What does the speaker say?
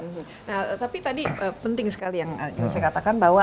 nah tapi tadi penting sekali yang saya katakan bahwa